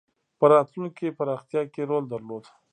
په راتلونکې پراختیا کې رول درلود.